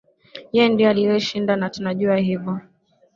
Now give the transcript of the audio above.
ye ndio aliyeshinda na tunajua hivyo